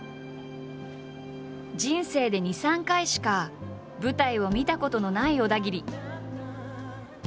人生で２３回しか舞台を見たことのない小田切。